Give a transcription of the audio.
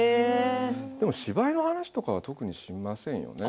でも芝居の話とかは特にしませんよね。